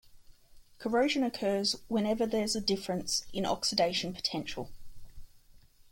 Corrosion occurs whenever there's a difference in oxidation potential.